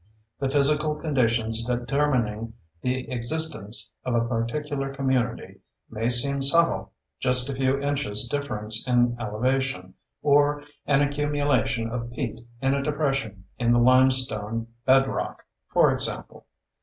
The physical conditions determining the existence of a particular community may seem subtle—just a few inches difference in elevation, or an accumulation of peat in a depression in the limestone bedrock, for example.